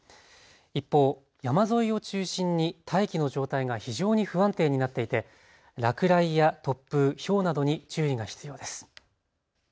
一方、山沿いを中心に大気の状態が非常に不安定になっていて落雷や突風、ひょうなどに注意が必要です。